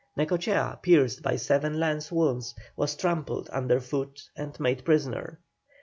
Necochea, pierced by seven lance wounds, was trampled under foot and made prisoner.